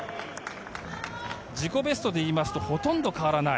自己ベストでいいますとほとんど変わらない。